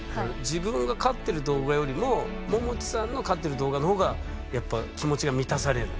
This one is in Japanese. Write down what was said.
自分が勝ってる動画よりもももちさんの勝ってる動画の方がやっぱ気持ちが満たされる？